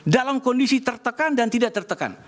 dalam kondisi tertekan dan tidak tertekan